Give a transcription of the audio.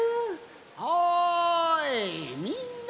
おいみんな。